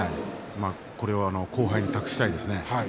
後輩に託したいですね。